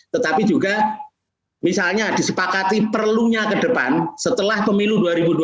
tetapi juga misalnya disepakati perlunya ke depan setelah pemilu dua ribu dua puluh